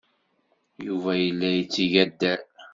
Yuba yella yetteg addal.